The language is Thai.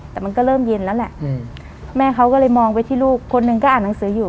แต่มันก็เริ่มเย็นแล้วแหละแม่เขาก็เลยมองไปที่ลูกคนหนึ่งก็อ่านหนังสืออยู่